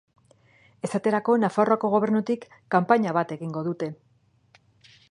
Esaterako Nafarroako Gobernutik kanpaina bat egingo dute.